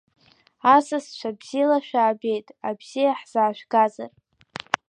Асасцәа, бзела шәаабеит, абзиа ҳзаажәгазар!